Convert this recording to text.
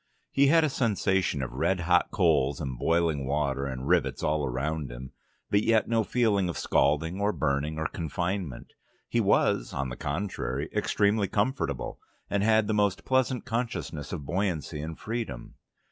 He had a sensation of red hot coals and boiling water and rivets all around him, but yet no feeling of scalding or burning or confinement. He was, on the contrary, extremely comfortable, and had the most pleasant consciousness of buoyancy and freedom.